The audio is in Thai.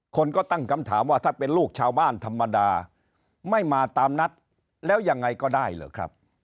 คนก็ตั้งคำถามว่าถ้าเป็นลูกชาวบ้านธรรมดาไม่มาตามนัดแล้วยังไงก็ได้เหรอครับ